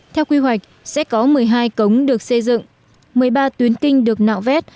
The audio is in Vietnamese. theo quy hoạch sẽ có một mươi hai cống được xây dựng một mươi ba tuyến kinh được nạo vét